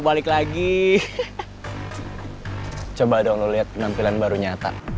makasih ya pak udah nganterin saya